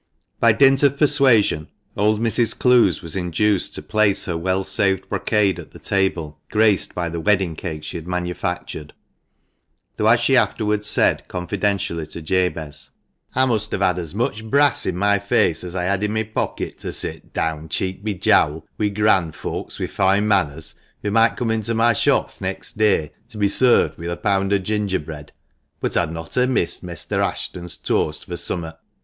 Y dint of persuasion old Mrs. Clowes was induced to place her well saved brocade at the table graced by the wedding cake she had manufactured ; though, as she afterwards said confidentially to Jabez, " I must have had as much brass in my face as I had i' my pocket to sit down cheek by jowl wi' grand folks with foine manners, who might come into my shop th' next day to be served with a pound o' gingerbread ; but I'd not ha' missed Mester Ashton's toast for summat.